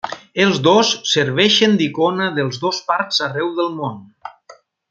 Els dos serveixen d'icona dels dos parcs arreu del món.